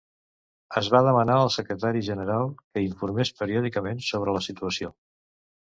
Es va demanar al Secretari General que informés periòdicament sobre la situació.